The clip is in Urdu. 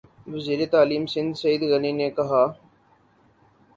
وزیر تعلیم سندھ سعید غنی نےکہا